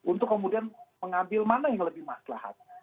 untuk kemudian mengambil mana yang lebih maslahat